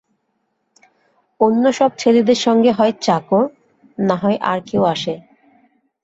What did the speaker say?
অন্য সব ছেলেদের সঙ্গে হয় চাকর না-হয় আর কেউ আসে।